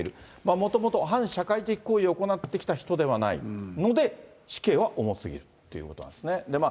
もともと反社会的行為を行ってきた人ではないので、死刑は重すぎるということなんですね。